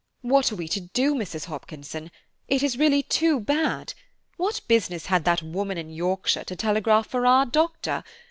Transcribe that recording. "What are we to do, Mrs. Hopkinson? It is really too bad; what business had that woman in Yorkshire to telegraph for our doctor?